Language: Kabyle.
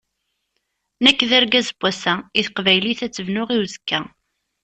Nekk d argaz n wass-a, i teqbaylit ad tt-bnuɣ i uzekka.